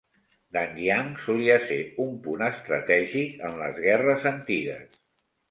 Dangyang solia ser un punt estratègic en les guerres antigues.